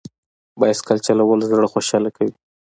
بایسکل چلول زړه خوشحاله کوي.